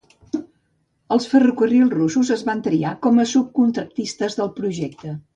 Els ferrocarrils russos es van triar com a subcontractistes del projecte.